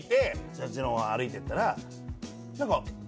そっちのほう歩いて行ったら。